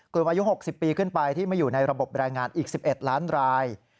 กลุ่มอายุ๖๐ปีขึ้นไปที่ไม่อยู่ในระบบแรงงานอีก๑๑ล้านราย